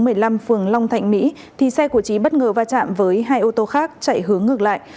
phường long thạnh mỹ thì xe của trí bất ngờ va chạm với hai ô tô khác chạy hướng ngược lại